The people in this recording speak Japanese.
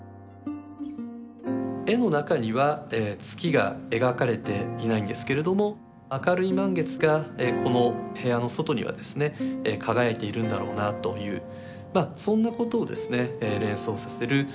絵の中には月が描かれていないんですけれども明るい満月がこの部屋の外にはですね輝いているんだろうなというまあそんなことをですね連想させる